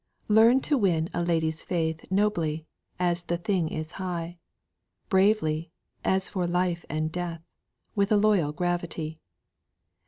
"Learn to win a lady's faith Nobly, as the thing is high; Bravely, as for life and death With a loyal gravity.